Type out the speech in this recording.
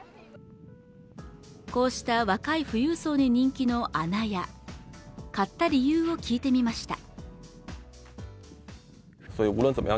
こうした若い富裕層に人気の阿那亜買った理由を聞いてみました